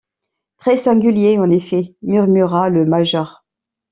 Très-singulier, en effet, » murmura le major.